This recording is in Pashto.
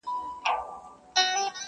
د مغرور عقل په برخه زولنې کړي-